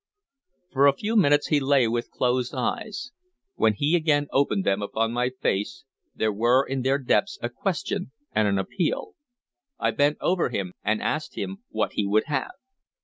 For a few minutes he lay with closed eyes; when he again opened them upon my face, there were in their depths a question and an appeal. I bent over him, and asked him what he would have.